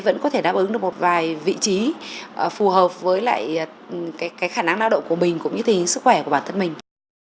vẫn có thể đáp ứng được một vài vị trí phù hợp với lại cái khả năng lao động của mình cũng như tình hình sức khỏe của bản thân mình